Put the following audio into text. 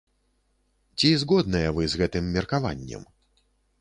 Ці згодныя вы з гэтым меркаваннем?